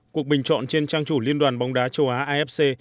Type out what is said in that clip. cuộc bình chọn trên trang chủ liên đoàn bóng đá châu á afc